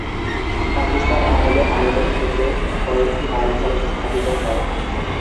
পাকিস্তান আমলে আইনের ক্ষেত্রে কয়েকটি মাইলফলক স্থাপিত হয়।